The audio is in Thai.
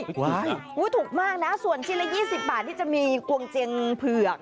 ไม่ถูกอะว้าวถูกมากนะส่วนชิ้นละ๒๐บาทที่จะมีกวงเจียงเผือก